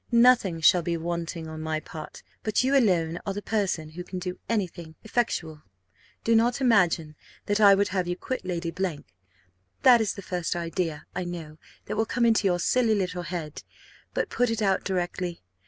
Nothing shall be wanting on my part, but you alone are the person who can do any thing effectual Do not imagine that I would have you quit Lady ; that is the first idea, I know, that will come into your silly little head, but put it out directly.